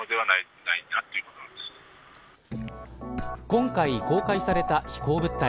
今回公開された飛行物体